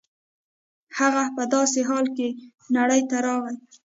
هغه په داسې حال کې نړۍ ته راغی.